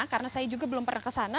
karena saya juga belum pernah ke sana